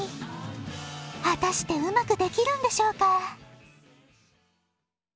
はたしてうまくできるんでしょうか？